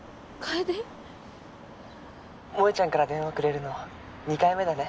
楓⁉萌ちゃんから電話くれるの２回目だね。